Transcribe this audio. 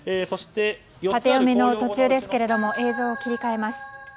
タテヨミの途中ですが映像を切り替えます。